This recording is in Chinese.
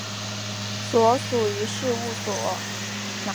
所属于事务所。